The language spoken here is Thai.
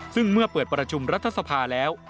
ซึ่งเมื่อเปิดประชุมรัฐสภาแล้ว